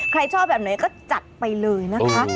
ชอบแบบไหนก็จัดไปเลยนะคะ